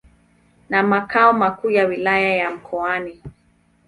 na makao makuu ya Wilaya ya Mkoani.